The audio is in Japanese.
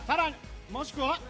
もしくは？